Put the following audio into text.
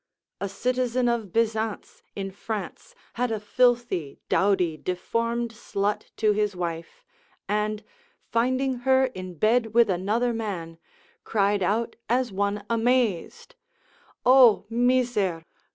A citizen of Bizance in France had a filthy, dowdy, deformed slut to his wife, and finding her in bed with another man, cried out as one amazed; O miser!